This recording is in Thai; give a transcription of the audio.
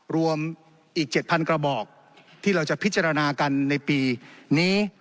รวมอีก๗๐๐กระบอกที่เราจะพิจารณากันในปีนี้